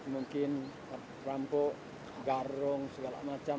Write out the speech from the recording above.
mungkin rampok garung segala macam